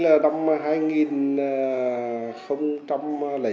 là năm hai nghìn sáu